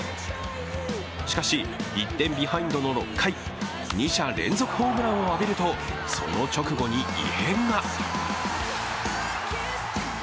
しかし１点ビハインドの６回、２者連続ホームランを浴びるとその直後に異変が。